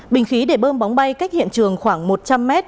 bình khí để bơm bóng bay cách hiện trường khoảng một trăm linh mét